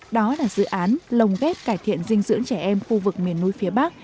đó là dự án lồng ghép cải thiện dinh dưỡng trẻ em khu vực miền núi phía bắc